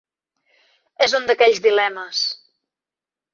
És un d'aquells dilemes.